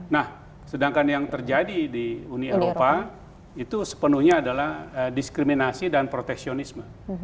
nah sedangkan yang terjadi di uni eropa itu sepenuhnya adalah diskriminasi dan proteksionisme